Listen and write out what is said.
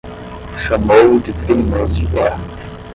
Chamou-o de criminoso de guerra